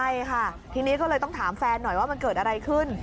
ใช่ค่ะทีนี้ก็เลยต้องถามแฟนหน่อยว่ามันเกิดอะไรขึ้น